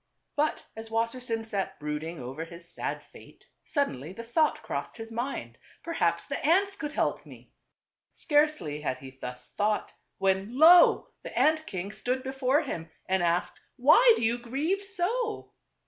But as Wassersein sat brooding over his sad fate, suddenly the thought crossed his 'a mind, " Perhaps the ants could help me." Jpr Scarcely had he thus thought, when A lo! the ant king stood before him, and asked, " Why do you grieve so